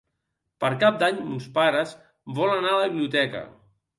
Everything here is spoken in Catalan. Per Cap d'Any mons pares volen anar a la biblioteca.